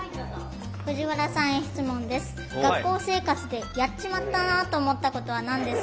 藤原さんへ質問です。